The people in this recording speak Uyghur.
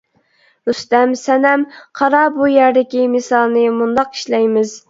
رۇستەم سەنەم :-قارا، بۇ يەردىكى مىسالنى مۇنداق ئىشلەيمىز.